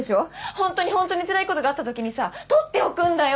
本当に本当につらいことがあったときにさ取っておくんだよ